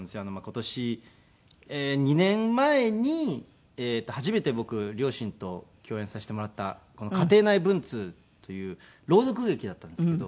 今年２年前に初めて僕両親と共演させてもらったこの『家庭内文通』という朗読劇だったんですけど。